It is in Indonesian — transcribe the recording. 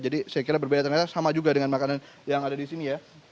jadi saya kira berbeda ternyata sama juga dengan makanan yang ada di sini ya